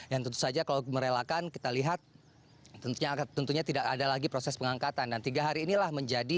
yang tentu saja kalau merelakan kita lihat tentunya tidak ada lagi proses pengangkatan